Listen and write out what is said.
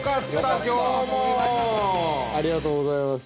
◆ありがとうございます。